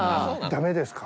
ダメですか？